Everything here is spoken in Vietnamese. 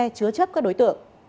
hay chứa chấp các đối tượng